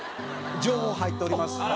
情報入っております。